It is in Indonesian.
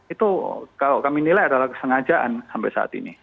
itu kalau kami nilai adalah kesengajaan sampai saat ini